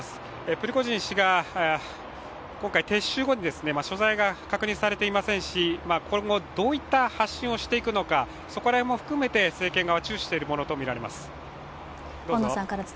プリゴジン氏が今回撤収後に所在が確認されていませんし、今後どういった発信をしていくのかそこら辺も含めて政権側は注視しているものとみられます。